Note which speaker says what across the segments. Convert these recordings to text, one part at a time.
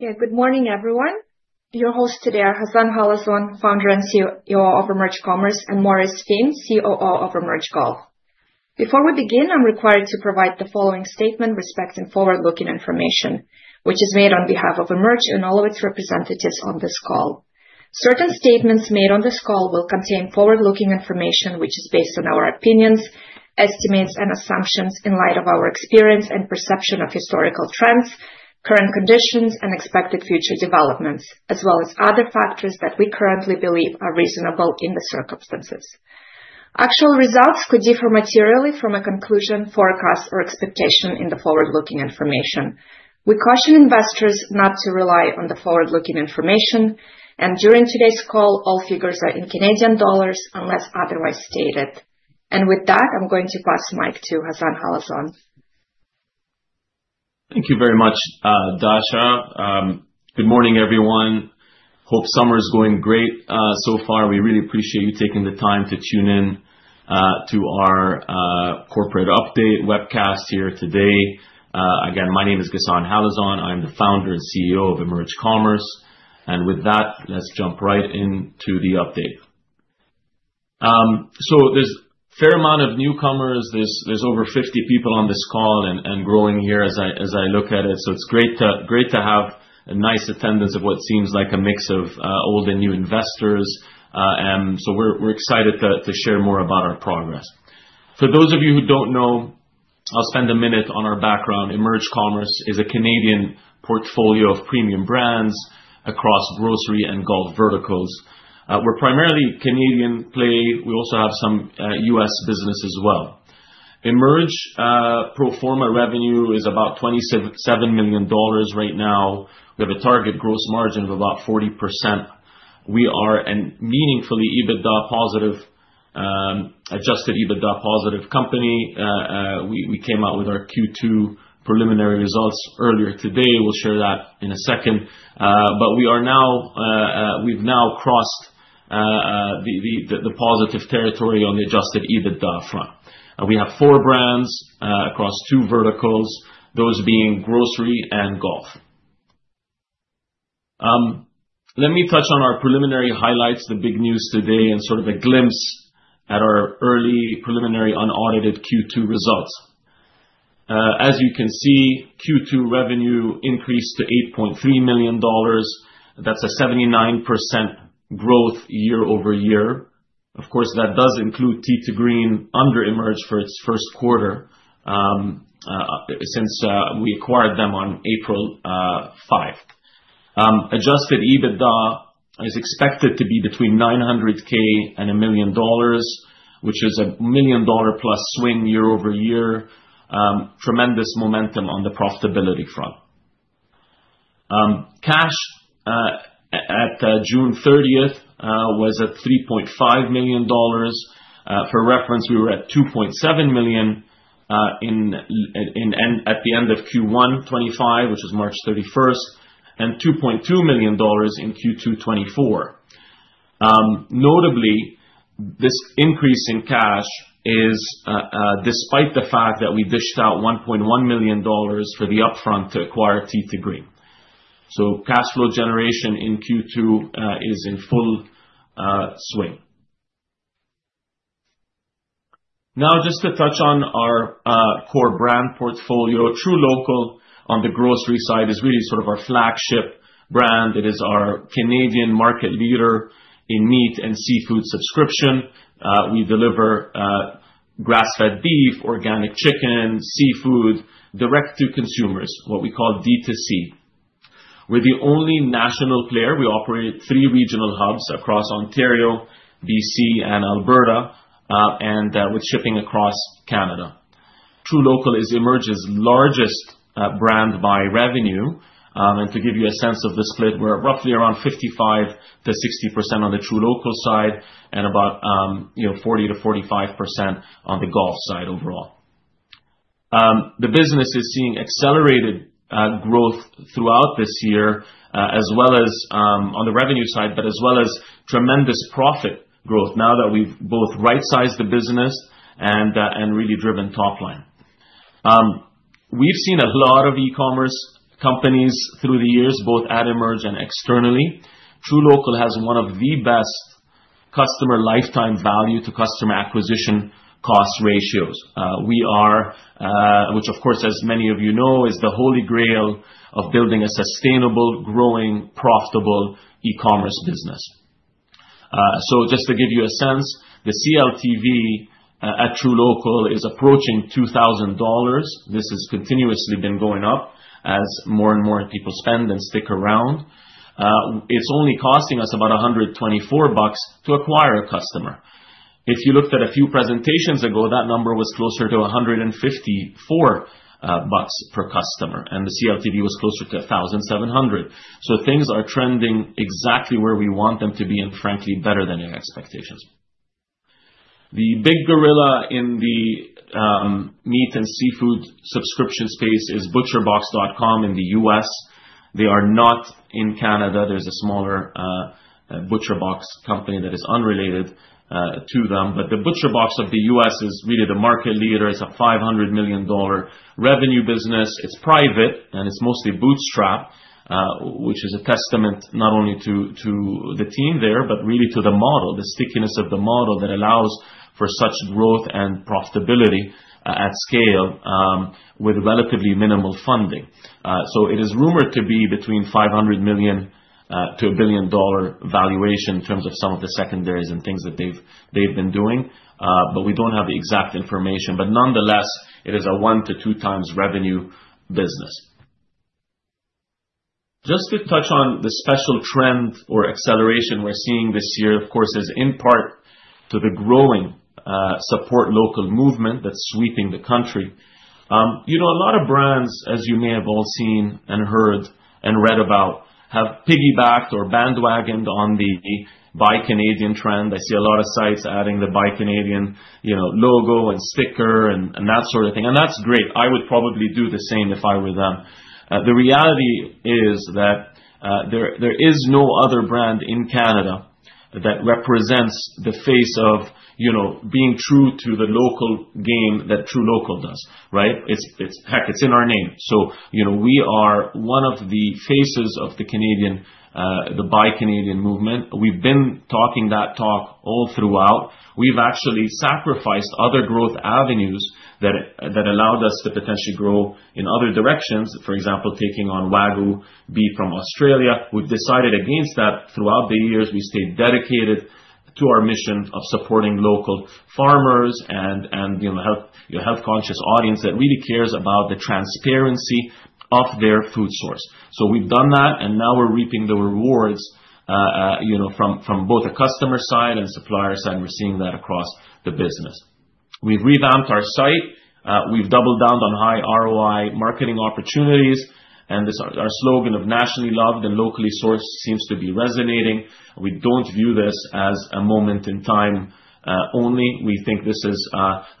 Speaker 1: Good morning, everyone. Your host today is Ghassan Halazon, Founder and CEO of EMERGE Commerce, and Maurice Finn, COO of EMERGE Golf. Before we begin, I'm required to provide the following statement respecting forward-looking information, which is made on behalf of EMERGE and all of its representatives on this call. Certain statements made on this call will contain forward-looking information which is based on our opinions, estimates, and assumptions in light of our experience and perception of historical trends, current conditions, and expected future developments, as well as other factors that we currently believe are reasonable in the circumstances. Actual results could differ materially from a conclusion, forecast, or expectation in the forward-looking information. We caution investors not to rely on the forward-looking information, and during today's call, all figures are in Canadian dollars unless otherwise stated. With that, I'm going to pass the mic to Ghassan Halazon.
Speaker 2: Thank you very much, Dasha. Good morning, everyone. Hope summer is going great so far. We really appreciate you taking the time to tune in to our corporate update webcast here today. Again, my name is Ghassan Halazon. I'm the Founder and CEO of EMERGE Commerce. With that, let's jump right into the update. There's a fair amount of newcomers. There's over 50 people on this call and growing here as I look at it. It's great to have a nice attendance of what seems like a mix of old and new investors. We're excited to share more about our progress. For those of you who don't know, I'll spend a minute on our background. EMERGE Commerce is a Canadian portfolio of premium brands across grocery and golf verticals. We're primarily Canadian played. We also have some U.S. business as well. EMERGE's pro forma revenue is about 27 million dollars right now. We have a target gross margin of about 40%. We are a meaningfully EBITDA positive, Adjusted EBITDA positive company. We came out with our Q2 preliminary results earlier today. We'll share that in a second. We've now crossed the positive territory on the Adjusted EBITDA front. We have four brands across two verticals, those being grocery and golf. Let me touch on our preliminary highlights, the big news today, and sort of a glimpse at our early preliminary unaudited Q2 results. As you can see, Q2 revenue increaseD2Cad 8.3 million. That's a 79% growth year-over-year. Of course, that does include Tee 2 Green under EMERGE for its first quarter since we acquired them on April 5. Adjusted EBITDA is expected to be between 900,000 and 1 million dollars, which is a 1 million dollar+ swing year-over-year. Tremendous momentum on the profitability front. Cash at June 30th was at 3.5 million dollars. For reference, we were at 2.7 million at the end of Q1 2025, which was March 31st, and CAD 2.2 million in Q2 2024. Notably, this increase in cash is despite the fact that we dished out 1.1 million dollars for the upfront to acquire Tee 2 Green. Cash flow generation in Q2 is in full swing. Now, just to touch on our core brand portfolio, truLOCAL, on the grocery side, is really sort of our flagship brand. It is our Canadian market leader in meat and seafood subscription. We deliver grass-fed beef, organic chicken, seafood direct to consumers, what we call D2C. We're the only national player. We operate three regional hubs across Ontario, BC, and Alberta, and with shipping across Canada. truLOCAL is EMERGE's largest brand by revenue. To give you a sense of the split, we're roughly around 55%-60% on the truLOCAL side and about 40%-45% on the golf side overall. The business is seeing accelerated growth throughout this year, as well as on the revenue side, but also tremendous profit growth now that we've both right-sized the business and really driven top line. We've seen a lot of e-commerce companies through the years, both at EMERGE and externally. truLOCAL has one of the best customer lifetime value-to-acquisition cost ratios, which of course, as many of you know, is the holy grail of building a sustainable, growing, profitable e-commerce business. Just to give you a sense, the CLTV at truLOCAL is approaching 2,000 dollars. This has continuously been going up as more and more people spend and stick around. It's only costing us about 124 bucks to acquire a customer. If you looked at a few presentations ago, that number was closer to 154 bucks per customer, and the CLTV was closer to 1,700. Things are trending exactly where we want them to be, and frankly, better than your expectations. The big gorilla in the meat and seafood subscription space is butcherbox.com in the U.S. They are not in Canada. There's a smaller ButcherBox company that is unrelated to them. The ButcherBox of the U.S. is really the market leader. It's a 500 million dollar revenue business. It's private, and it's mostly bootstrapped, which is a testament not only to the team there, but really to the model, the stickiness of the model that allows for such growth and profitability at scale with relatively minimal funding. It is rumored to be between 500 million-1 billion dollar valuation in terms of some of the secondaries and things that they've been doing. We don't have the exact information. Nonetheless, it is a one to two times revenue business. To touch on the special trend or acceleration we're seeing this year, it is in part due to the growing support local movement that's sweeping the country. A lot of brands, as you may have all seen and heard and read about, have piggybacked or bandwagoned on the Buy Canadian Trend. I see a lot of sites adding the Buy Canadian logo and sticker and that sort of thing. That's great. I would probably do the same if I were them. The reality is that there is no other brand in Canada that represents the face of being true to the local game that truLOCAL does, right? It's, heck, it's in our name. We are one of the faces of the Canadian, the Buy Canadian movement. We've been talking that talk all throughout. We've actually sacrificed other growth avenues that allowed us to potentially grow in other directions. For example, taking on Wagyu Beef from Australia. We've decided against that throughout the years. We stayed dedicated to our mission of supporting local farmers and, you know, your health-conscious audience that really cares about the transparency of their food source. We've done that, and now we're reaping the rewards from both a customer side and supplier side. We're seeing that across the business. We've revamped our site. We've doubled down on high ROI marketing opportunities. Our slogan of nationally loved and locally sourced seems to be resonating. We don't view this as a moment in time only. We think this is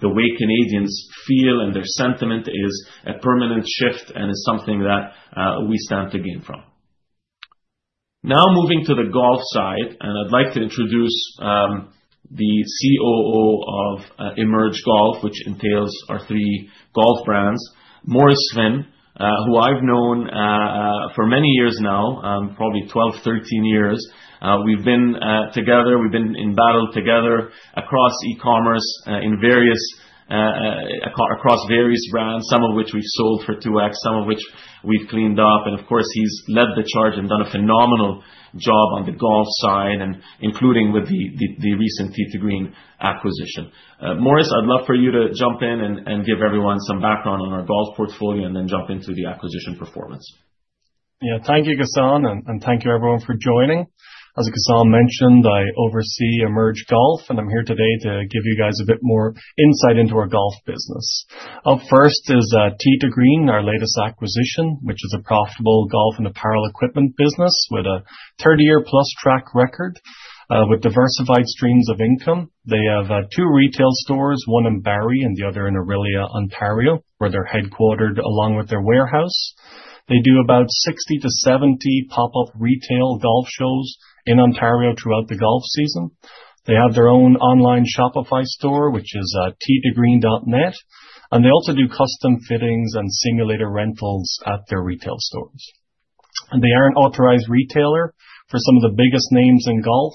Speaker 2: the way Canadians feel, and their sentiment is a permanent shift and is something that we stand to gain from. Now moving to the golf side, I'd like to introduce the COO of EMERGE Golf, which entails our three golf brands, Maurice Finn, who I've known for many years now, probably 12, 13 years. We've been together. We've been in battle together across e-commerce in various, across various brands, some of which we've sold for 2x, some of which we've cleaned up. Of course, he's led the charge and done a phenomenal job on the golf side, including with the recent Tee 2 Green acquisition. Maurice, I'd love for you to jump in and give everyone some background on our golf portfolio and then jump into the acquisition performance.
Speaker 3: Yeah, thank you, Ghassan, and thank you, everyone, for joining. As Ghassan mentioned, I oversee EMERGE Golf, and I'm here today to give you guys a bit more insight into our golf business. Up first is Tee 2 Green, our latest acquisition, which is a profitable golf and apparel equipment business with a 30 year+ track record with diversified streams of income. They have two retail stores, one in Barrie and the other in Orillia, Ontario, where they're headquartered along with their warehouse. They do about 60 to 70 pop-up retail golf shows in Ontario throughout the golf season. They have their own online Shopify store, which is teetogreen.net. They also do custom fittings and simulator rentals at their retail stores. They are an authorized retailer for some of the biggest names in golf,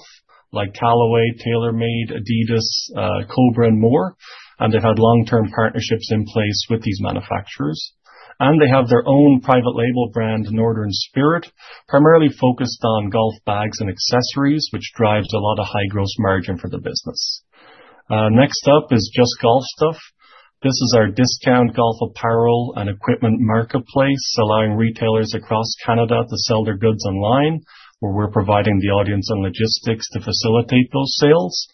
Speaker 3: like Callaway, TaylorMade, Adidas, Cobra, and more. They've had long-term partnerships in place with these manufacturers. They have their own private label brand, Northern Spirit, primarily focused on golf bags and accessories, which drives a lot of high gross margin for the business. Next up is Just Golf Stuff. This is our discount golf apparel and equipment marketplace, allowing retailers across Canada to sell their goods online, where we're providing the audience and logistics to facilitate those sales.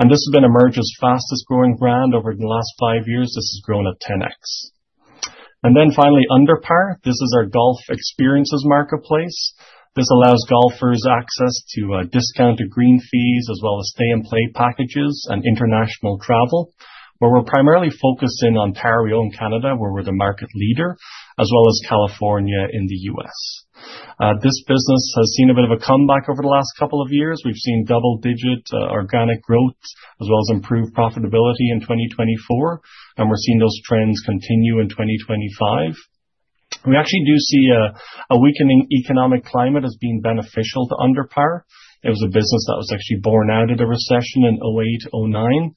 Speaker 3: This has been EMERGE's fastest growing brand over the last five years. This has grown at 10x. Finally, UnderPar, this is our golf experiences marketplace. This allows golfers access to discounted green fees, as well as stay-and-play packages and international travel, where we're primarily focused in Ontario and Canada, where we're the market leader, as well as California in the U.S. This business has seen a bit of a comeback over the last couple of years. We've seen double-digit organic growth, as well as improved profitability in 2024, and we're seeing those trends continue in 2025. We actually do see a weakening economic climate as being beneficial to UnderPar. It was a business that was actually born out of the recession in 2008,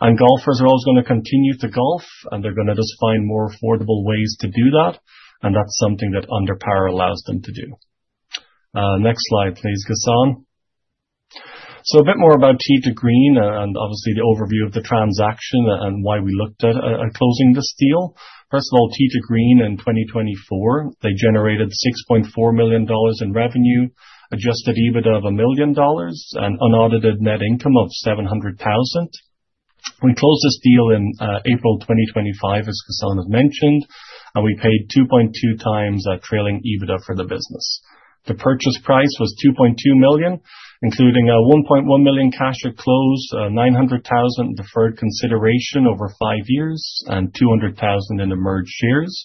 Speaker 3: 2009. Golfers are always going to continue to golf, and they're going to just find more affordable ways to do that. That's something that UnderPar allows them to do. Next slide, please, Ghassan. A bit more about Tee 2 Green and obviously the overview of the transaction and why we looked at closing this deal. First of all, Tee 2 Green in 2024, they generated 6.4 million dollars in revenue, Adjusted EBITDA of 1 million dollars, and unaudited net income of 700,000. We closed this deal in April 2025, as Ghassan has mentioned. We paid 2.2x trailing EBITDA for the business. The purchase price was 2.2 million, including 1.1 million cash at close, 900,000 deferred consideration over five years, and 200,000 in EMERGE shares.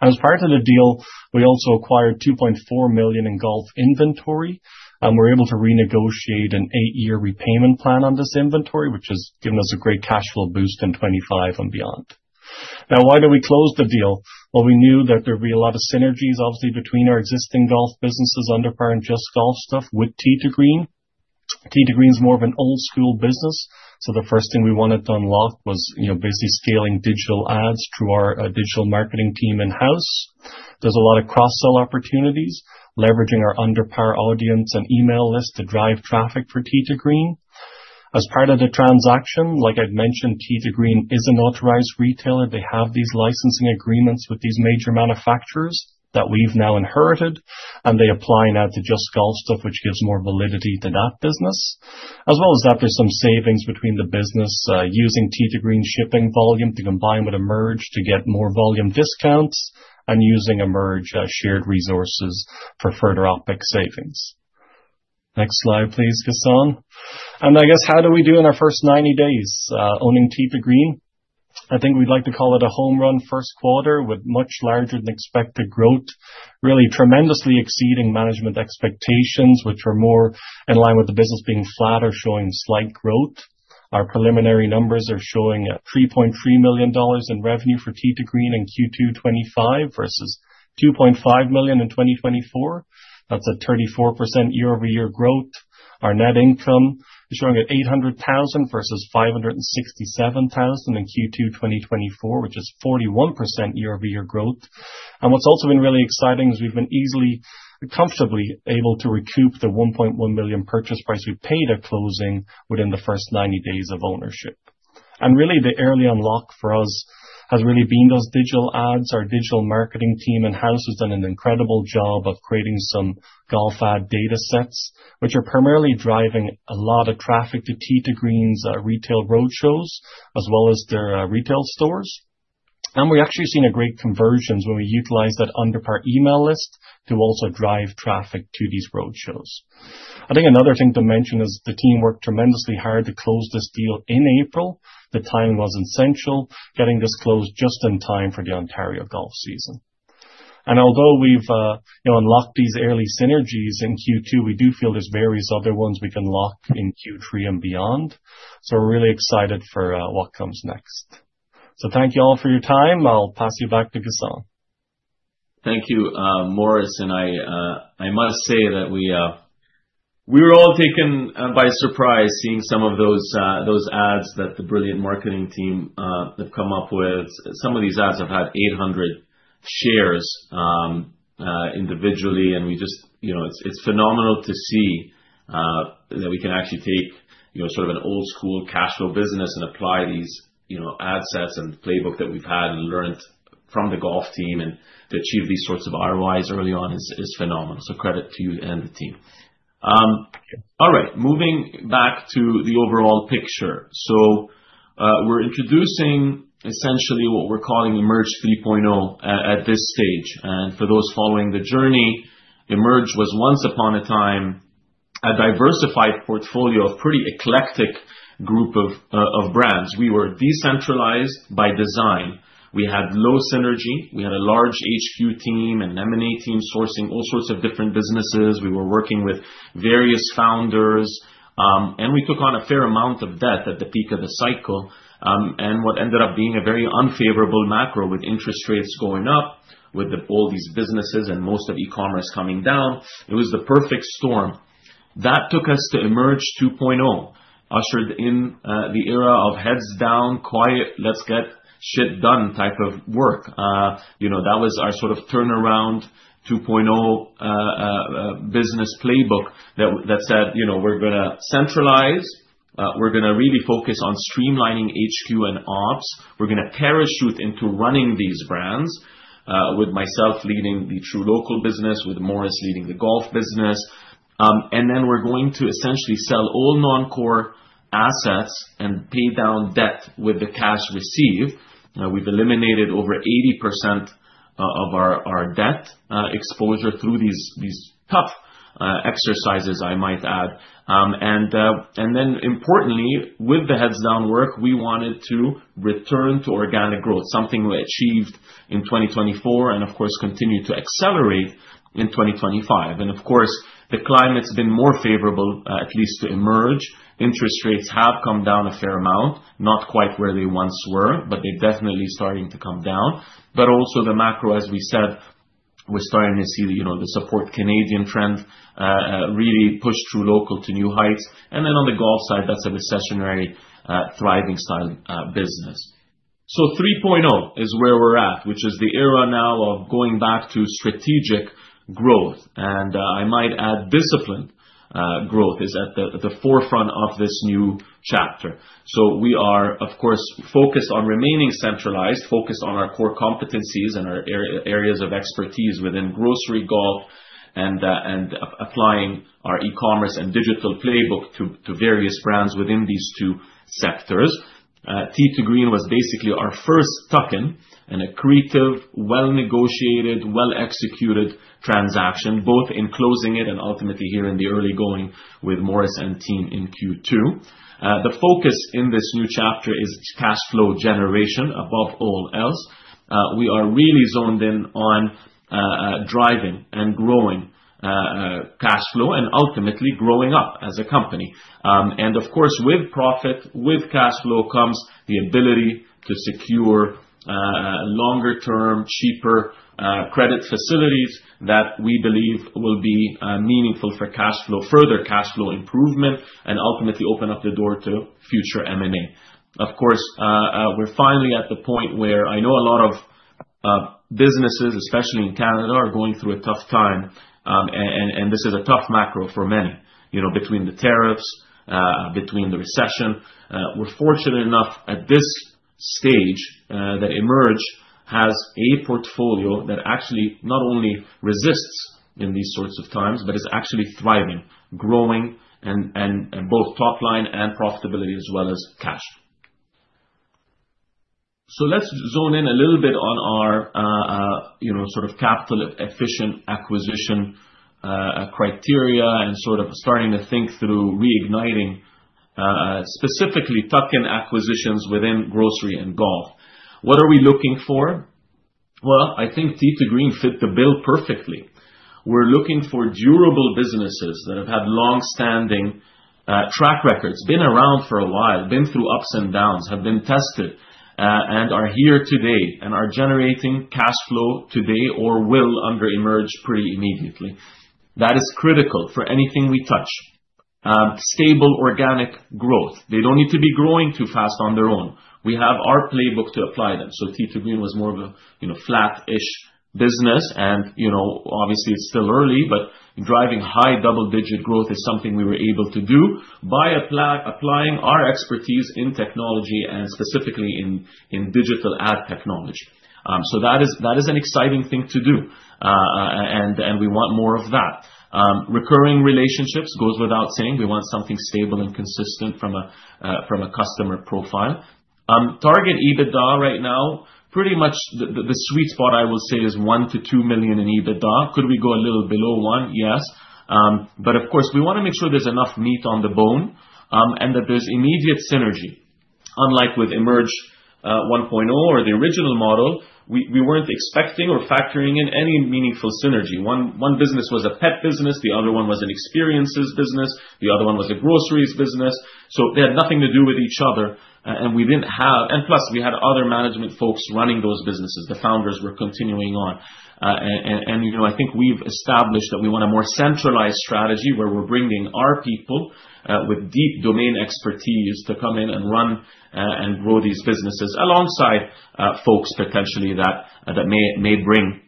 Speaker 3: As part of the deal, we also acquired 2.4 million in golf inventory. We were able to renegotiate an eight-year repayment plan on this inventory, which has given us a great cash flow boost in 2025 and beyond. Now, why did we close the deal? We knew that there would be a lot of synergies, obviously, between our existing golf businesses, UnderPar and Just Golf Stuff, with Tee 2 Green. Tee 2 Green is more of an old-school business. The first thing we wanted to unlock was scaling digital ads through our digital marketing team in-house. There are a lot of cross-sell opportunities, leveraging our UnderPar audience and email list to drive traffic for Tee 2 Green. As part of the transaction, like I'd mentioned, Tee 2 Green is an authorized retailer. They have these licensing agreements with these major manufacturers that we've now inherited. They apply now to Just Golf Stuff, which gives more validity to that business, as well as after some savings between the business using Tee 2 Green shipping volume to combine with EMERGE to get more volume discounts and using EMERGE shared resources for further OpEx savings. Next slide, please, Ghassan. I guess, how did we do in our first 90 days owning Tee 2 Green? I think we'd like to call it a home run first quarter with much larger than expected growth, really tremendously exceeding management expectations, which are more in line with the business being flat or showing slight growth. Our preliminary numbers are showing at 3.3 million dollars in revenue for Tee 2 Green in Q2 2025 versus 2.5 million in 2024. That's a 34% year-over-year growth. Our net income is showing at 800,000 versus 567,000 in Q2 2024, which is a 41% year-over-year growth. What's also been really exciting is we've been easily, comfortably able to recoup the 1.1 million purchase price we paid at closing within the first 90 days of ownership. The early unlock for us has really been those digital ads. Our digital marketing team in-house has done an incredible job of creating some golf ad data sets, which are primarily driving a lot of traffic to Tee 2 Green's retail roadshows, as well as their retail stores. We're actually seeing a great conversion when we utilize that UnderPar email list to also drive traffic to these roadshows. I think another thing to mention is the team worked tremendously hard to close this deal in April. The timing was essential, getting this closed just in time for the Ontario golf season. Although we've unlocked these early synergies in Q2, we do feel there's various other ones we can unlock in Q3 and beyond. We're really excited for what comes next. Thank you all for your time. I'll pass you back to Ghassan.
Speaker 2: Thank you, Maurice. I must say that we were all taken by surprise seeing some of those ads that the brilliant marketing team have come up with. Some of these ads have had 800 shares individually. It's phenomenal to see that we can actually take an old-school cash flow business and apply these ad sets and playbook that we've had and learned from the golf team and achieve these sorts of ROIs early on. Credit to you and the team. Moving back to the overall picture, we're introducing essentially what we're calling EMERGE 3.0 at this stage. For those following the journey, EMERGE was once upon a time a diversified portfolio of a pretty eclectic group of brands. We were decentralized by design. We had low synergy. We had a large HQ team and M&A team sourcing all sorts of different businesses. We were working with various founders. We took on a fair amount of debt at the peak of the cycle. What ended up being a very unfavorable macro with interest rates going up, with all these businesses and most of e-commerce coming down, it was the perfect storm. That took us to EMERGE 2.0, which ushered in the era of heads down, quiet, let's get shit done type of work. That was our turnaround 2.0 business playbook that said we're going to centralize. We're going to really focus on streamlining HQ and Ops. We're going to parachute into running these brands, with myself leading the truLOCAL business, with Maurice leading the golf business. We're going to essentially sell all non-core assets and pay down debt with the cash received. We've eliminated over 80% of our debt exposure through these tough exercises, I might add. Importantly, with the heads down work, we wanted to return to organic growth, something we achieved in 2024 and, of course, continue to accelerate in 2025. The climate's been more favorable, at least to EMERGE. Interest rates have come down a fair amount, not quite where they once were, but they're definitely starting to come down. The macro, as we said, we're starting to see the support Canadian friend really push truLOCAL to new heights. On the golf side, that's a recessionary, thriving style business. 3.0 is where we're at, which is the era now of going back to strategic growth. I might add discipline growth is at the forefront of this new chapter. We are, of course, focused on remaining centralized, focused on our core competencies and our areas of expertise within grocery and golf and applying our e-commerce and digital playbook to various brands within these two sectors. Tee 2 Green was basically our first tuck-in and a creative, well-negotiated, well-executed transaction, both in closing it and ultimately here in the early going with Maurice and team in Q2. The focus in this new chapter is cash flow generation above all else. We are really zoned in on driving and growing cash flow and ultimately growing up as a company. With profit, with cash flow comes the ability to secure longer-term, cheaper credit facilities that we believe will be meaningful for cash flow, further cash flow improvement, and ultimately open up the door to future M&A. We're finally at the point where I know a lot of businesses, especially in Canada, are going through a tough time. This is a tough macro for many, you know, between the tariffs, between the recession. We're fortunate enough at this stage that EMERGE has a portfolio that actually not only resists in these sorts of times, but is actually thriving, growing, and both top line and profitability, as well as cash flow. Let's zone in a little bit on our, you know, sort of capital efficient acquisition criteria and sort of starting to think through reigniting specifically tuck-in acquisitions within grocery and golf. What are we looking for? I think Tee 2 Green fit the bill perfectly. We're looking for durable businesses that have had longstanding track records, been around for a while, been through ups and downs, have been tested, and are here today and are generating cash flow today or will under EMERGE free immediately. That is critical for anything we touch. Stable organic growth. They don't need to be growing too fast on their own. We have our playbook to apply that. Tee 2 Green was more of a flat-ish business. It's still early, but driving high double-digit growth is something we were able to do by applying our expertise in technology and specifically in digital ad technology. That is an exciting thing to do. We want more of that. Recurring relationships goes without saying. We want something stable and consistent from a customer profile. Target EBITDA right now, pretty much the sweet spot, I will say, is 1 million-2 million in EBITDA. Could we go a little below 1 million? Yes. Of course, we want to make sure there's enough meat on the bone and that there's immediate synergy. Unlike with EMERGE 1.0 or the original model, we weren't expecting or factoring in any meaningful synergy. One business was a pet business. The other one was an experiences business. The other one was a groceries business. They had nothing to do with each other. Plus, we had other management folks running those businesses. The founders were continuing on. I think we've established that we want a more centralized strategy where we're bringing our people with deep domain expertise to come in and run and grow these businesses alongside folks potentially that may bring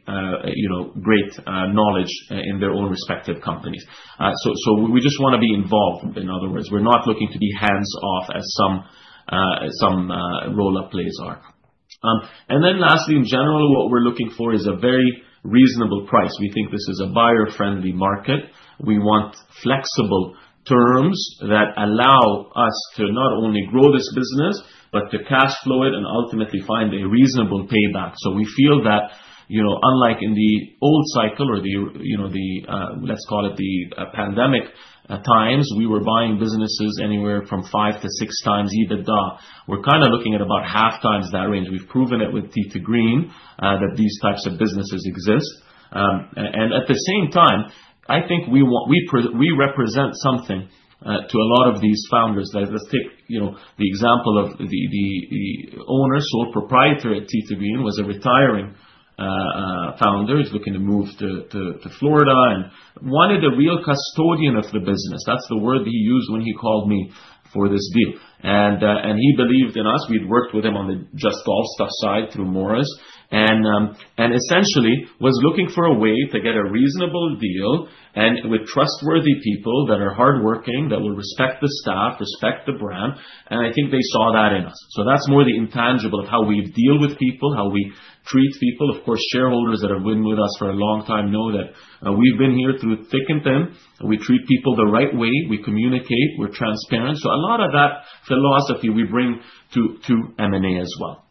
Speaker 2: great knowledge in their own respective companies. We just want to be involved. In other words, we're not looking to be hands-off as some roll-up plays are. Lastly, in general, what we're looking for is a very reasonable price. We think this is a buyer-friendly market. We want flexible terms that allow us to not only grow this business, but to cash flow it and ultimately find a reasonable payback. We feel that, unlike in the old cycle or the, let's call it the pandemic times, we were buying businesses anywhere from 5x-6x EBITDA. We're kind of looking at about half times that range. We've proven it with Tee 2 Green that these types of businesses exist. At the same time, I think we represent something to a lot of these founders that have a thick, you know, the example of the owner or proprietor at Tee 2 Green was a retiring founder. He's looking to move to Florida and wanted a real custodian of the business. That's the word that he used when he called me for this deal. He believed in us. We'd worked with him on the Just Golf Stuff side through Maurice and essentially was looking for a way to get a reasonable deal and with trustworthy people that are hardworking, that will respect the staff, respect the brand. I think they saw that in us. That's more the intangible of how we deal with people, how we treat people. Of course, shareholders that have been with us for a long time know that we've been here through thick and thin. We treat people the right way. We communicate. We're transparent. A lot of that philosophy we bring to M&A as well.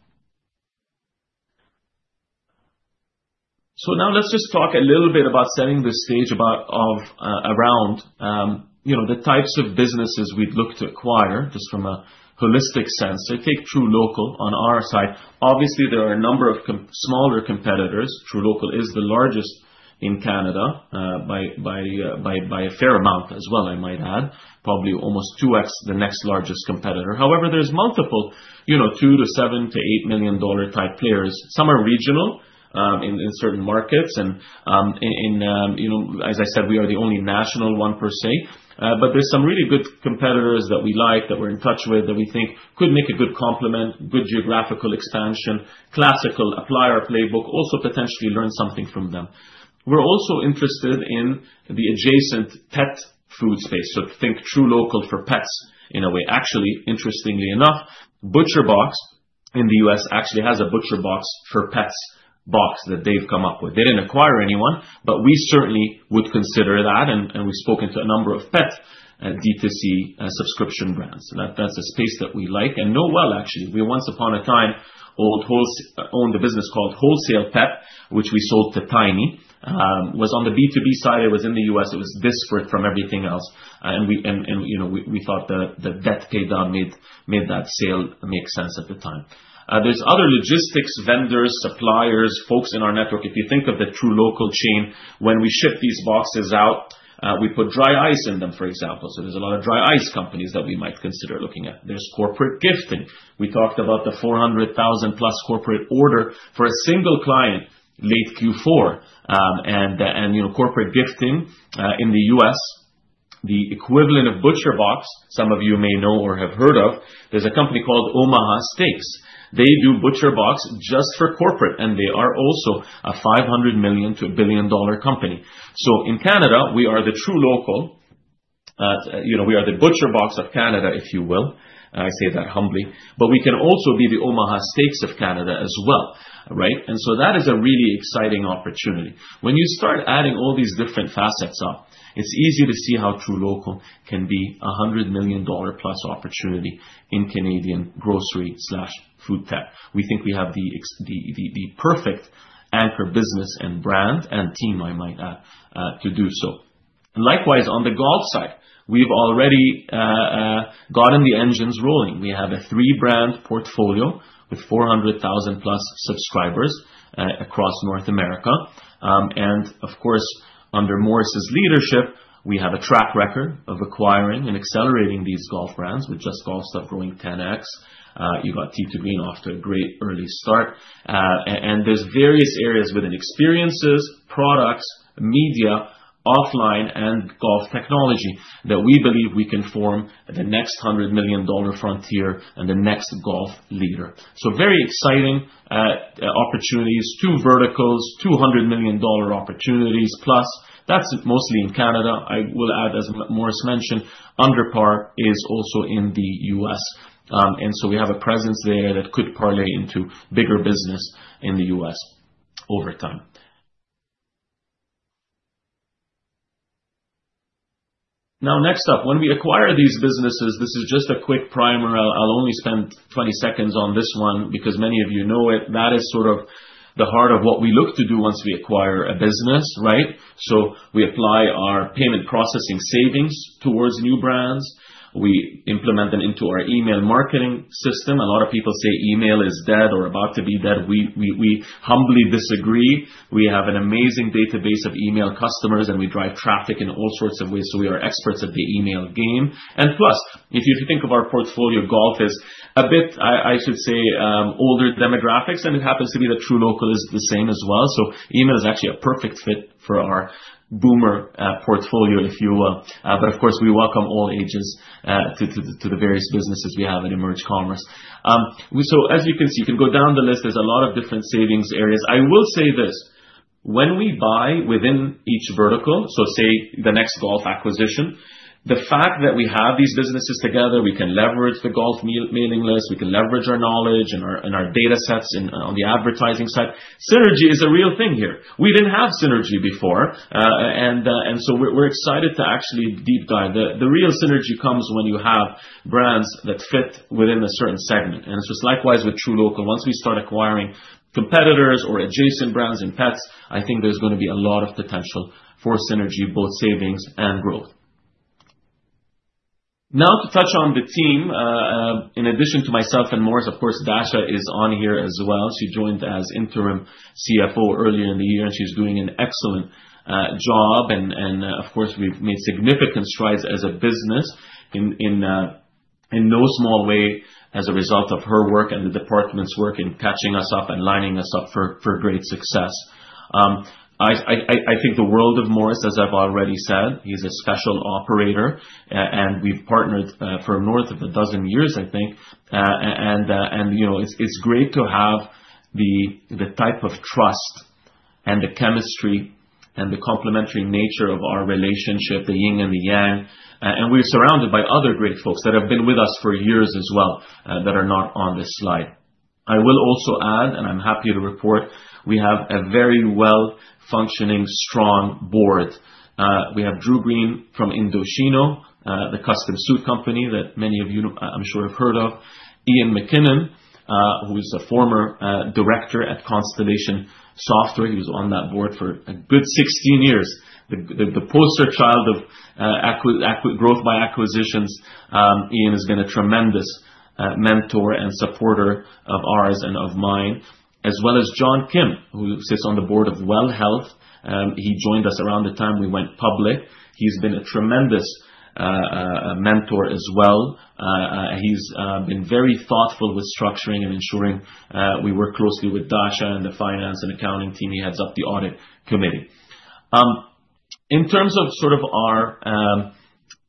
Speaker 2: Let's just talk a little bit about setting the stage around the types of businesses we'd look to acquire from a holistic sense. I think truLOCAL on our side, obviously, there are a number of smaller competitors. truLOCAL is the largest in Canada by a fair amount as well, I might add. Probably almost 2x the next largest competitor. There are multiple 2 million-7 million to 8 million dollar type players. Some are regional in certain markets. As I said, we are the only national one per se. There are some really good competitors that we like, that we're in touch with, that we think could make a good complement, good geographical expansion, classical, apply our playbook, also potentially learn something from them. We're also interested in the adjacent pet food space. Think truLOCAL for pets in a way. Interestingly enough, ButcherBox in the U.S. actually has a ButcherBox for pets box that they've come up with. They didn't acquire anyone, but we certainly would consider that. We've spoken to a number of pet D2C subscription brands. That's a space that we like and know well, actually. Once upon a time, we owned a business called Wholesale Pet, which we sold to Tiny. It was on the B2B side. It was in the U.S. It was disparate from everything else. We thought the debt pay down made that sale make sense at the time. There are other logistics vendors, suppliers, folks in our network. If you think of the truLOCAL chain, when we ship these boxes out, we put dry ice in them, for example. There are a lot of dry ice companies that we might consider looking at. There's corporate gifting. We talked about the 400,000+ corporate order for a single client late Q4. Corporate gifting in the U.S., the equivalent of ButcherBox, some of you may know or have heard of, there's a company called Omaha Steaks. They do ButcherBox just for corporate. They are also a 500 million-1 billion dollar company. In Canada, we are the truLOCAL. We are the ButcherBox of Canada, if you will. I say that humbly. We can also be the Omaha Steaks of Canada as well, right? That is a really exciting opportunity. When you start adding all these different facets up, it's easier to see how truLOCAL can be a 100 million dollar+ opportunity in Canadian grocery/food tech. We think we have the perfect anchor business and brand and team, I might add, to do so. Likewise, on the golf side, we've already gotten the engines rolling. We have a three-brand portfolio with 400,000+ subscribers across North America. Of course, under Maurice's leadership, we have a track record of acquiring and accelerating these golf brands, with Just Golf Stuff growing 10x. You got Tee 2 Green off to a great early start. There are various areas within experiences, products, media, offline, and golf technology that we believe we can form the next 100 million dollar frontier and the next golf leader. Very exciting opportunities, two verticals, 200 million dollar opportunities. Plus, that's mostly in Canada. I will add, as Maurice mentioned, UnderPar is also in the U.S., and we have a presence there that could parlay into bigger business in the U.S. over time. Next up, when we acquire these businesses, this is just a quick primer. I'll only spend 20 seconds on this one because many of you know it. That is sort of the heart of what we look to do once we acquire a business, right? We apply our payment processing savings towards new brands. We implement them into our email marketing system. A lot of people say email is dead or about to be dead. We humbly disagree. We have an amazing database of email customers, and we drive traffic in all sorts of ways. We are experts of the email game. Plus, if you think of our portfolio, golf is a bit, I should say, older demographics. It happens to be that truLOCAL is the same as well. Email is actually a perfect fit for our boomer portfolio, if you will. Of course, we welcome all ages to the various businesses we have at EMERGE Commerce. As you can see, you can go down the list. There's a lot of different savings areas. I will say this. When we buy within each vertical, so say the next golf acquisition, the fact that we have these businesses together, we can leverage the golf meaningfulness. We can leverage our knowledge and our data sets on the advertising side. Synergy is a real thing here. We didn't have synergy before, and we're excited to actually deep dive. The real synergy comes when you have brands that fit within a certain segment. It's just likewise with truLOCAL. Once we start acquiring competitors or adjacent brands and pets, I think there's going to be a lot of potential for synergy, both savings and growth. Now to touch on the team, in addition to myself and Maurice, of course, Dasha is on here as well. She joined as Interim CFO earlier in the year, and she's doing an excellent job. We've made significant strides as a business in no small way as a result of her work and the department's work in catching us up and lining us up for great success. I think the world of Maurice, as I've already said, he's a special operator. We've partnered for north of a dozen years, I think. It's great to have the type of trust and the chemistry and the complementary nature of our relationship, the yin and the yang. We're surrounded by other great folks that have been with us for years as well that are not on this slide. I will also add, and I'm happy to report, we have a very well-functioning, strong board. We have Drew Green from Indochino, the custom suit company that many of you, I'm sure, have heard of. Ian McKinnon, who is a former director at Constellation Software, is on that board for a good 16 years. The poster child of Growth by Acquisitions, Ian has been a tremendous mentor and supporter of ours and of mine, as well as John Kim, who sits on the board of WELL Health. He joined us around the time we went public. He's been a tremendous mentor as well. He's been very thoughtful with structuring and ensuring we work closely with Dasha and the finance and accounting team. He heads up the audit committee. In terms of our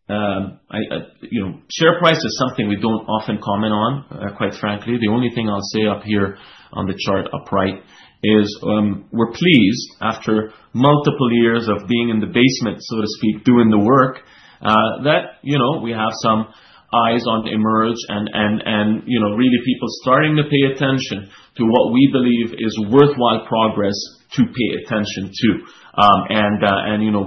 Speaker 2: share price, it's something we don't often comment on, quite frankly. The only thing I'll say up here on the chart upright is we're pleased, after multiple years of being in the basement, so to speak, doing the work, that we have some eyes onto EMERGE and really people starting to pay attention to what we believe is worthwhile progress to pay attention to.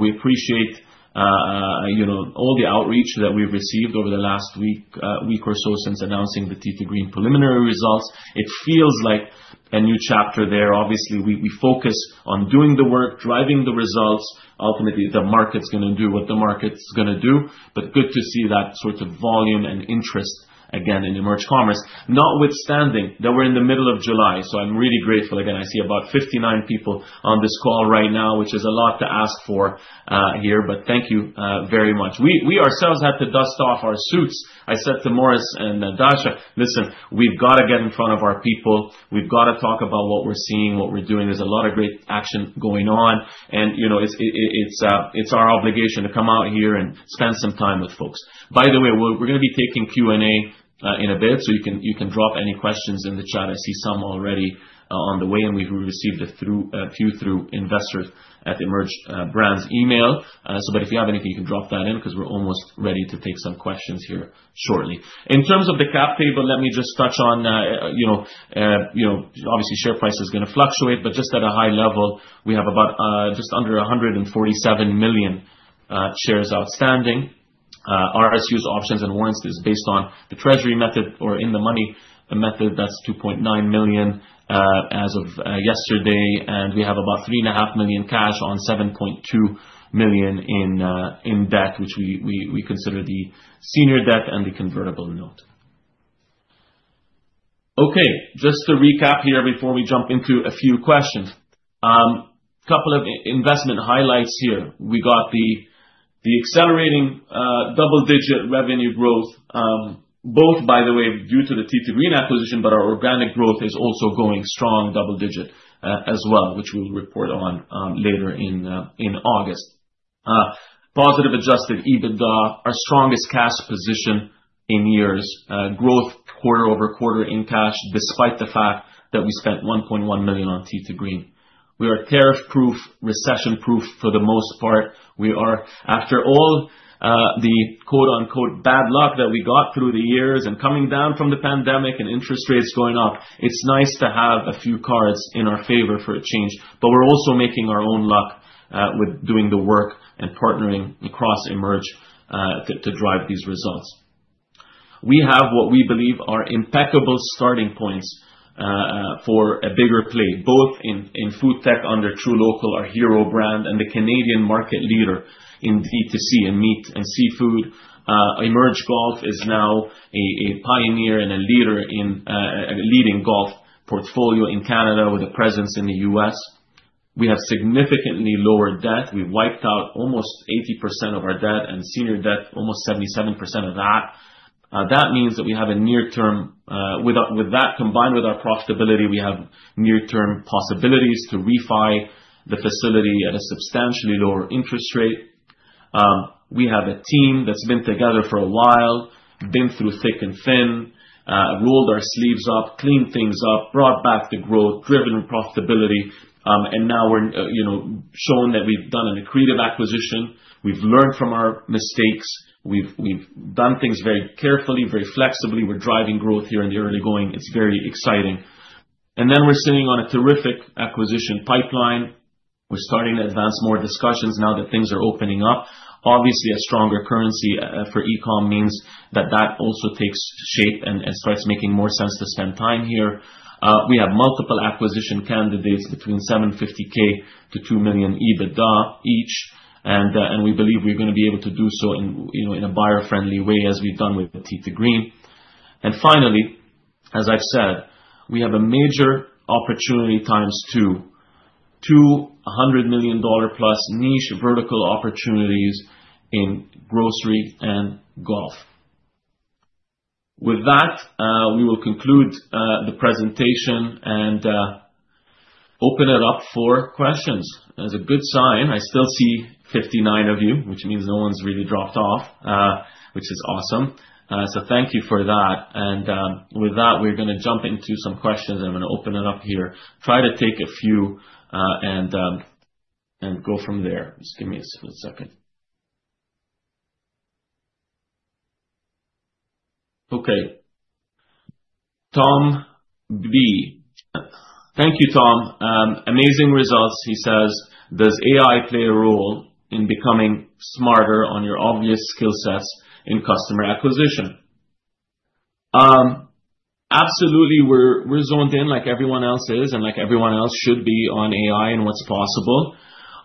Speaker 2: We appreciate all the outreach that we've received over the last week or so since announcing the Tee 2 Green preliminary results. It feels like a new chapter there. Obviously, we focus on doing the work, driving the results. Ultimately, the market's going to do what the market's going to do. Good to see that sort of volume and interest again in EMERGE Commerce. Notwithstanding that we're in the middle of July, I'm really grateful. I see about 59 people on this call right now, which is a lot to ask for here. Thank you very much. We ourselves had to dust off our suits. I said to Maurice and Dasha, "Listen, we've got to get in front of our people." We've got to talk about what we're seeing, what we're doing. There's a lot of great action going on. You know, it's our obligation to come out here and spend some time with folks. By the way, we're going to be taking Q&A in a bit. You can drop any questions in the chat. I see some already on the way, and we've received a few through investors at EMERGE Brands email. If you have anything, you can drop that in because we're almost ready to take some questions here shortly. In terms of the cap table, let me just touch on, you know, obviously, share price is going to fluctuate. At a high level, we have just under 147 million shares outstanding. RSUs, options, and warrants, based on the treasury method or in the money method, that's 2.9 million as of yesterday. We have about 3.5 million cash on 7.2 million in debt, which we consider the senior debt and the convertible note. Just to recap here before we jump into a few questions, a couple of investment highlights here. We got the accelerating double-digit revenue growth, both, by the way, due to the Tee 2 Green acquisition, but our organic growth is also going strong double-digit as well, which we'll report on later in August. Positive Adjusted EBITDA, our strongest cash position in years, growth quarter over quarter in cash, despite the fact that we spent 1.1 million on Tee 2 Green. We are tariff-proof, recession-proof for the most part. We are, after all, the quote-unquote "bad luck" that we got through the years and coming down from the pandemic and interest rates going up. It's nice to have a few cards in our favor for a change. We're also making our own luck with doing the work and partnering across EMERGE to drive these results. We have what we believe are impeccable starting points for a bigger play, both in food tech under truLOCAL, our hero brand, and the Canadian market leader in D2C and meat and seafood. EMERGE Golf is now a pioneer and a leader in a leading golf portfolio in Canada with a presence in the U.S. We have significantly lower debt. We wiped out almost 80% of our debt and senior debt, almost 77% of that. That means that we have a near-term, with that combined with our profitability, we have near-term possibilities to refi the facility at a substantially lower interest rate. We have a team that's been together for a while, been through thick and thin, rolled our sleeves up, cleaned things up, brought back the growth, driven profitability, and now we've, you know, shown that we've done a creative acquisition. We've learned from our mistakes. We've done things very carefully, very flexibly. We're driving growth here in the early going. It's very exciting. We're sitting on a terrific acquisition pipeline. We're starting to advance more discussions now that things are opening up. Obviously, a stronger currency for e-com means that also takes shape and starts making more sense to spend time here. We have multiple acquisition candidates between 750,000-2 million EBITDA each. We believe we're going to be able to do so in a buyer-friendly way, as we've done with Tee 2 Green. As I've said, we have a major opportunity times two, two 100 million dollar+ niche vertical opportunities in grocery and golf. With that, we will conclude the presentation and open it up for questions. That's a good sign. I still see 59 of you, which means no one's really dropped off, which is awesome. Thank you for that. With that, we're going to jump into some questions. I'm going to open it up here, try to take a few, and go from there. Just give me a second. Okay, Tom B. Thank you, Tom. Amazing results, he says. Does AI play a role in becoming smarter on your obvious skill sets in customer acquisition? Absolutely. We're zoned in like everyone else is and like everyone else should be on AI and what's possible.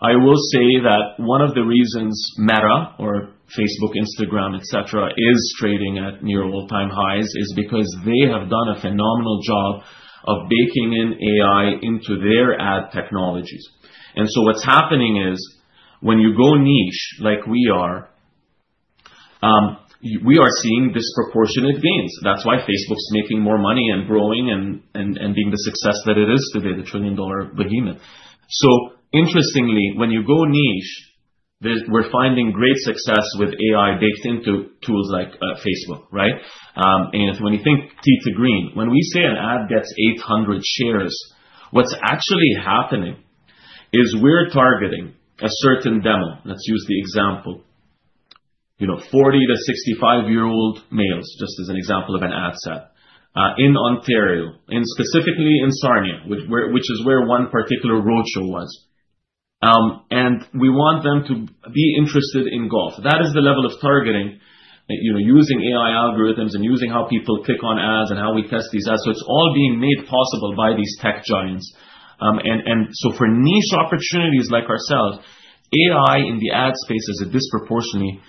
Speaker 2: I will say that one of the reasons Meta, or Facebook, Instagram, etc., is trading at near all-time highs is because they have done a phenomenal job of baking in AI into their ad technologies. What's happening is when you go niche, like we are, we are seeing disproportionate gains. That's why Facebook's making more money and growing and being the success that it is today, the trillion-dollar behemoth. Interestingly, when you go niche, we're finding great success with AI baked into tools like Facebook, right? When you think Tee 2 Green, when we say an ad gets 800 shares, what's actually happening is we're targeting a certain demo. Let's use the example, you know, 40 to 65-year-old males, just as an example of an ad set, in Ontario, specifically in Sarnia, which is where one particular roadshow was. We want them to be interested in golf. That is the level of targeting, you know, using AI algorithms and using how people click on ads and how we test these ads. It's all being made possible by these tech giants. For niche opportunities like ourselves, AI in the ad space is a disproportionately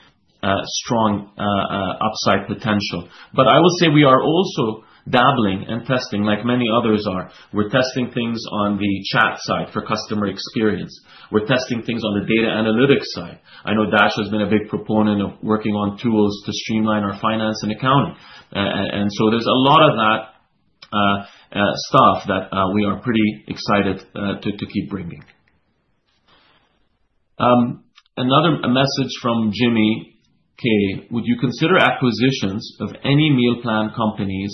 Speaker 2: strong upside potential. I will say we are also dabbling and testing, like many others are. We're testing things on the chat side for customer experience. We're testing things on the data analytics side. I know Dasha has been a big proponent of working on tools to streamline our finance and accounting. There's a lot of that stuff that we are pretty excited to keep bringing. Another message from Jimmy. Would you consider acquisitions of any meal plan companies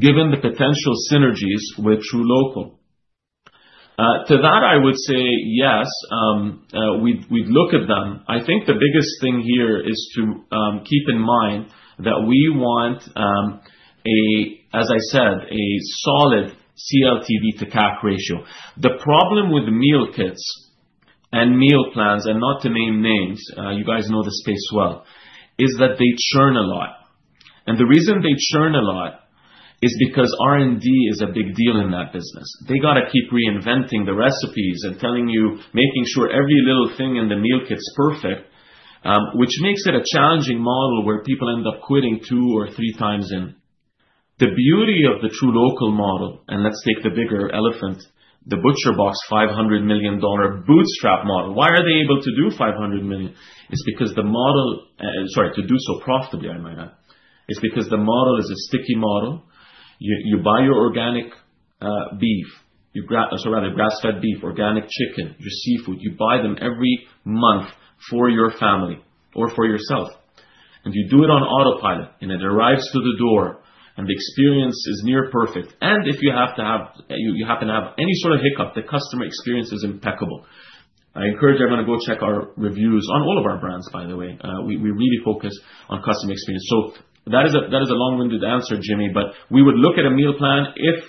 Speaker 2: given the potential synergies with truLOCAL? To that, I would say yes. We'd look at them. I think the biggest thing here is to keep in mind that we want, as I said, a solid CLTV to CAC ratio. The problem with meal kits and meal plans, and not to name names, you guys know the space well, is that they churn a lot. The reason they churn a lot is because R&D is a big deal in that business. They got to keep reinventing the recipes and telling you, making sure every little thing in the meal kits is perfect, which makes it a challenging model where people end up quitting two or three times in. The beauty of the truLOCAL model, and let's take the bigger elephant, the ButcherBox 500 million dollar bootstrap model, why are they able to do 500 million? It's because the model, sorry, to do so profitably, I might add, is because the model is a sticky model. You buy your grass-fed beef, organic chicken, your seafood. You buy them every month for your family or for yourself. You do it on autopilot. It arrives to the door. The experience is near perfect. If you happen to have any sort of hiccup, the customer experience is impeccable. I encourage everyone to go check our reviews on all of our brands, by the way. We really focus on customer experience. That is a long-winded answer, Jimmy. We would look at a meal plan if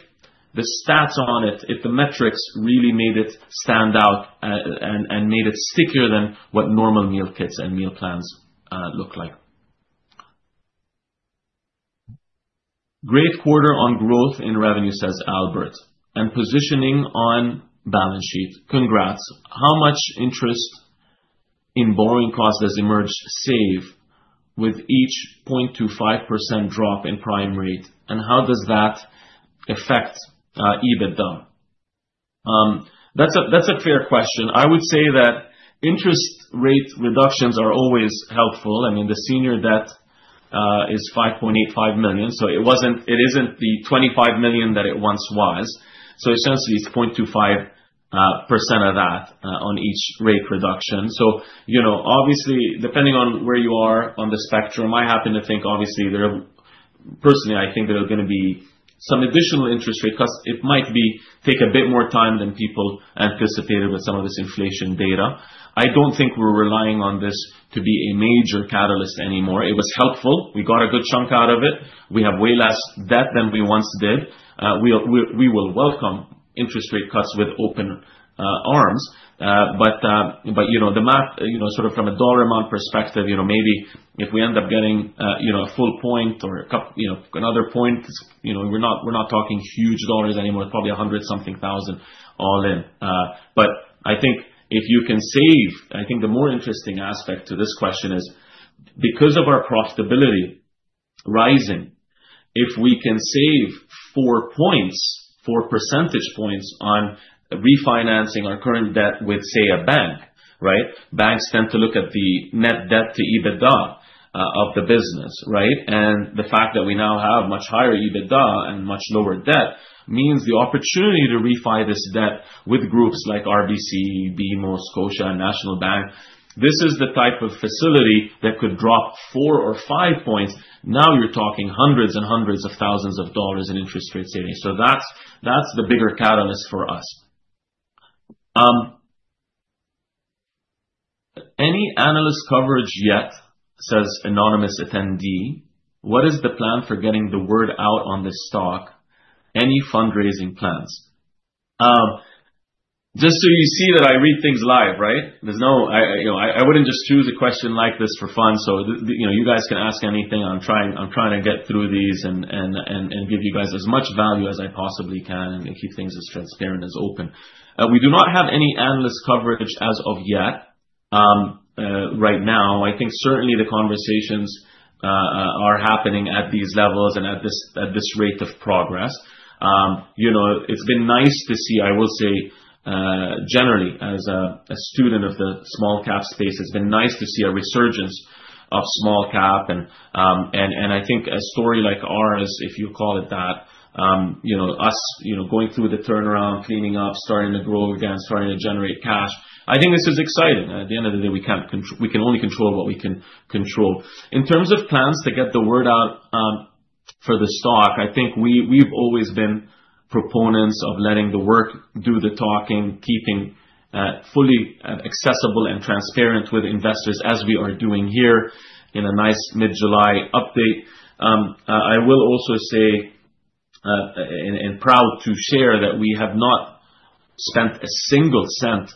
Speaker 2: the stats on it, if the metrics really made it stand out and made it stickier than what normal meal kits and meal plans look like. Great quarter on growth in revenue, says Albert, and positioning on balance sheet. Congrats. How much interest in borrowing costs does EMERGE save with each 0.25% drop in prime rate? How does that affect EBITDA? That's a fair question. I would say that interest rate reductions are always helpful. The senior debt is 5.85 million. It isn't the 25 million that it once was. Essentially, it's 0.25% of that on each rate reduction. Obviously, depending on where you are on the spectrum, I happen to think, personally, I think there are going to be some additional interest rate cuts. It might take a bit more time than people anticipated with some of this inflation data. I don't think we're relying on this to be a major catalyst anymore. It was helpful. We got a good chunk out of it. We have way less debt than we once did. We will welcome interest rate cuts with open arms. The math, sort of from a dollar amount perspective, maybe if we end up getting a full point or another point, we're not talking huge dollars anymore. Probably 100-something thousand all in. I think the more interesting aspect to this question is because of our profitability rising, if we can save 4 points, 4 percentage points on refinancing our current debt with, say, a bank, right? Banks tend to look at the net debt to EBITDA of the business, right? The fact that we now have much higher EBITDA and much lower debt means the opportunity to refi this debt with groups like RBC, BMO, Scotia, National Bank, this is the type of facility that could drop 4 or 5 points. Now you're talking hundreds and hundreds of thousands of dollars in interest rate savings. That's the bigger catalyst for us. Any analyst coverage yet, says anonymous attendee. What is the plan for getting the word out on this stock? Any fundraising plans? Just so you see that I read things live, right? There's no, I wouldn't just choose a question like this for fun. You guys can ask anything. I'm trying to get through these and give you guys as much value as I possibly can and keep things as transparent as open. We do not have any analyst coverage as of yet. Right now, I think certainly the conversations are happening at these levels and at this rate of progress. It's been nice to see, I will say, generally, as a student of the small-cap space, it's been nice to see a resurgence of small-cap. I think a story like ours, if you call it that, us going through the turnaround, cleaning up, starting to grow again, starting to generate cash, I think this is exciting. At the end of the day, we can only control what we can control. In terms of plans to get the word out for the stock, I think we've always been proponents of letting the work do the talking, keeping fully accessible and transparent with investors, as we are doing here in a nice mid-July update. I will also say and am proud to share that we have not spent a single cent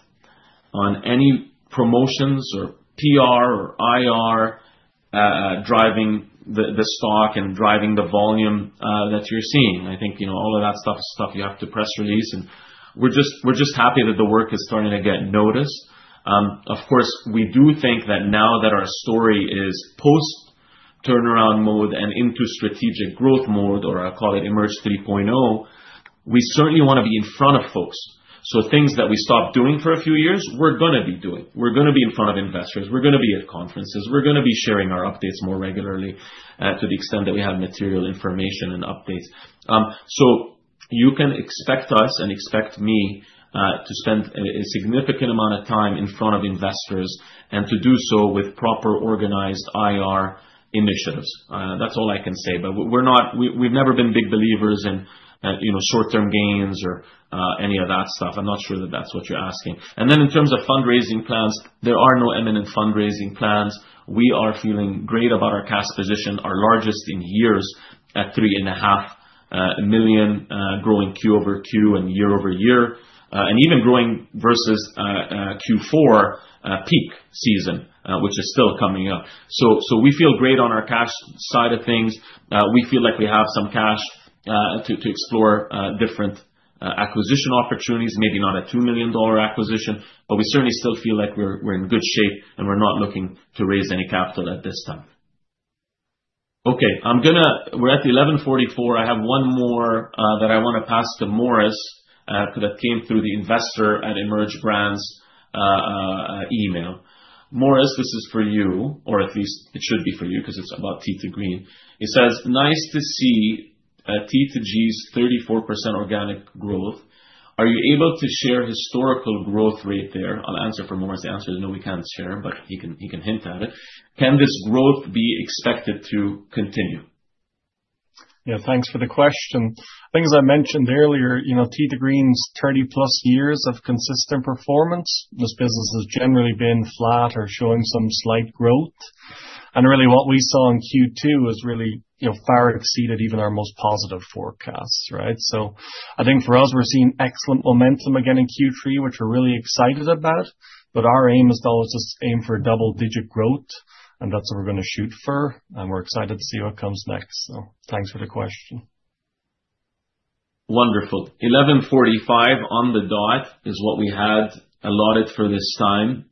Speaker 2: on any promotions or PR or IR driving the stock and driving the volume that you're seeing. I think all of that stuff is stuff you have to press release. We're just happy that the work is starting to get noticed. Of course, we do think that now that our story is post-turnaround mode and into strategic growth mode, or I call it EMERGE 3.0, we certainly want to be in front of folks. Things that we stopped doing for a few years, we're going to be doing. We're going to be in front of investors. We're going to be at conferences. We're going to be sharing our updates more regularly to the extent that we have material information and updates. You can expect us and expect me to spend a significant amount of time in front of investors and to do so with proper organized IR initiatives. That's all I can say. We've never been big believers in short-term gains or any of that stuff. I'm not sure that that's what you're asking. In terms of fundraising plans, there are no imminent fundraising plans. We are feeling great about our cash position, our largest in years, at 3.5 million growing Q over Q and year-over-year, and even growing versus Q4 peak season, which is still coming up. We feel great on our cash side of things. We feel like we have some cash to explore different acquisition opportunities, maybe not a 2 million dollar acquisition. We certainly still feel like we're in good shape. We're not looking to raise any capital at this time. Okay, we're at the 11:44. I have one more that I want to pass to Maurice, because it came through the investor at EMERGE Brands email. Maurice, this is for you, or at least it should be for you, because it's about Tee 2 Green. He says, nice to see Tee 2 Green's 34% organic growth. Are you able to share historical growth rate there? I'll answer for Maurice. The answer is no, we can't share, but he can hint at it. Can this growth be expected to continue?
Speaker 3: Yeah, thanks for the question. I think, as I mentioned earlier, Tee 2 Green's 30+ years of consistent performance, this business has generally been flat or showing some slight growth. What we saw in Q2 really far exceeded even our most positive forecasts, right? I think for us, we're seeing excellent momentum again in Q3, which we're really excited about. Our aim is to always just aim for double-digit growth. That's what we're going to shoot for. We're excited to see what comes next. Thanks for the question.
Speaker 2: Wonderful. 11:45 A.M. on the dot is what we had allotted for this time.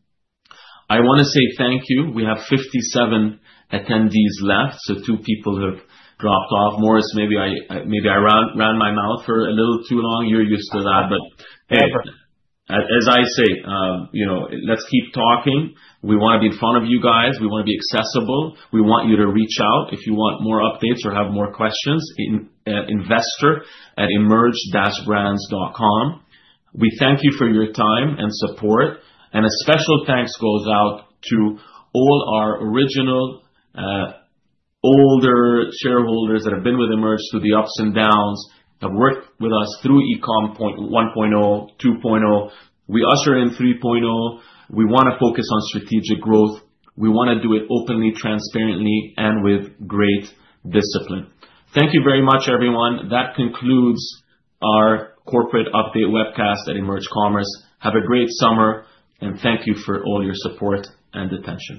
Speaker 2: I want to say thank you. We have 57 attendees left. Two people have dropped off. Maurice, maybe I ran my mouth for a little too long. You're used to that. Hey, as I say, let's keep talking. We want to be in front of you guys. We want to be accessible. We want you to reach out if you want more updates or have more questions at investor@emerge-brands.com. We thank you for your time and support. A special thanks goes out to all our original older shareholders that have been with EMERGE through the ups and downs, have worked with us through ECom 1.0, 2.0. We usher in 3.0. We want to focus on strategic growth. We want to do it openly, transparently, and with great discipline. Thank you very much, everyone. That concludes our corporate update webcast at EMERGE Commerce. Have a great summer. Thank you for all your support and attention.